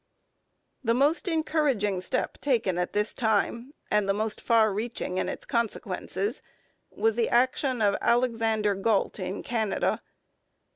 ] The most encouraging step taken at this time, and the most far reaching in its consequences, was the action of Alexander Galt in Canada.